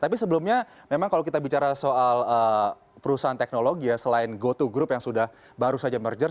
tapi sebelumnya memang kalau kita bicara soal perusahaan teknologi ya selain goto group yang sudah baru saja merger